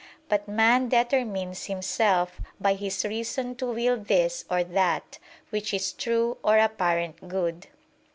But man determines himself by his reason to will this or that, which is true or apparent good.